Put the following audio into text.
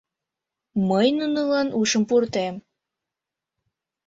Мый нунылан ушым пуртем.